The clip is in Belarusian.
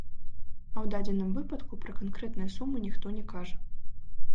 А ў дадзеным выпадку пра канкрэтныя сумы ніхто не кажа.